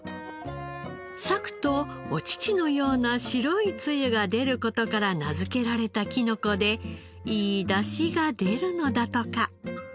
裂くとお乳のような白いつゆが出る事から名付けられたきのこでいいダシが出るのだとか。